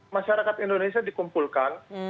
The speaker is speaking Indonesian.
masyarakat indonesia dikumpulkan